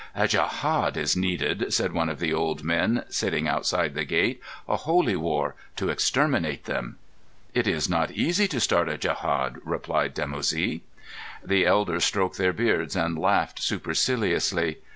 "A djehad is needed," said one of the old men sitting outside the gate—"a holy war—to exterminate them." "It is not easy to start a djehad," replied Dimoussi. The elders stroked their beards and laughed superciliously.